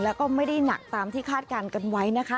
แล้วก็ไม่ได้หนักตามที่คาดการณ์กันไว้นะคะ